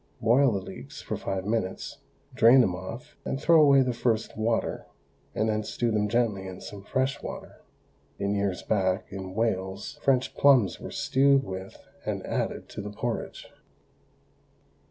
Boil the leeks for five minutes, drain them off, and throw away the first water, and then stew them gently in some fresh water. In years back, in Wales, French plums were stewed with and added to the porridge.